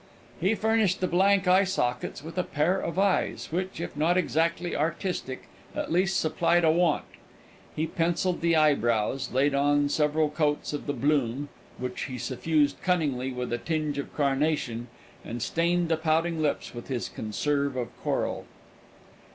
He furnished the blank eye sockets with a pair of eyes, which, if not exactly artistic, at least supplied a want; he pencilled the eyebrows, laid on several coats of the "Bloom," which he suffused cunningly with a tinge of carnation, and stained the pouting lips with his "Conserve of Coral."